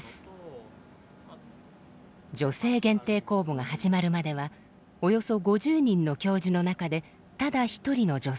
女性限定公募が始まるまではおよそ５０人の教授の中でただ一人の女性。